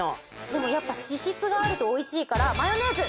でもやっぱ脂質があるとおいしいから。